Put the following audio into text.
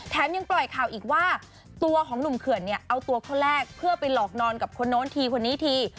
ยังปล่อยข่าวอีกว่าตัวของหนุ่มเขื่อนเนี่ยเอาตัวคนแรกเพื่อไปหลอกนอนกับคนโน้นทีคนนี้ที